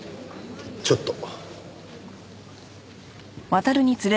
ちょっと。